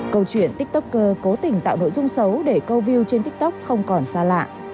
câu chuyện tiktoker cố tình tạo nội dung xấu để câu view trên tiktok không còn xa lạ